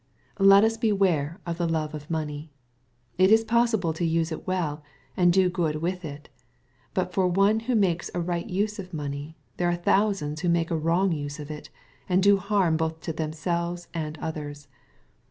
Let us beware of the love of money. It is possible to use it well, and do good with it. But for one who makes a right use of money, there are thousands who make a wrong use of it, and do harm both to themselves and others.